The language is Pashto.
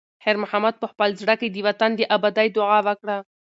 خیر محمد په خپل زړه کې د وطن د ابادۍ دعا وکړه.